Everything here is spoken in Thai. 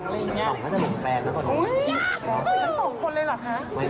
เฮียบอยเห็นน้องอะไรอย่างเงี้ย